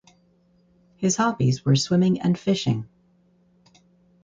His hobbies were swimming and fishing.